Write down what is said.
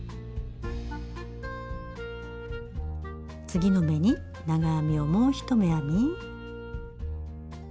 次の目に長編みをもう１目編み。